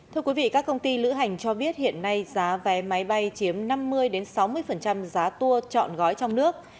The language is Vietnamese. thưa quý vị các công ty lữ hành cho biết hiện nay giá vé máy bay chiếm năm mươi sáu mươi giá tour chọn gói trong nước